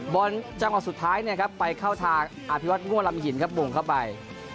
บอลจังหวะสุดท้ายเนี่ยครับไปเข้าทางอภิวัตงั่วลำหินครับวงเข้าไป